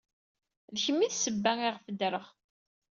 D kemm ay d ssebba ayɣef ddreɣ.